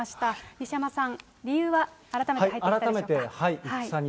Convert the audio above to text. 西山さん、理由は改めて入ってきたでしょうか。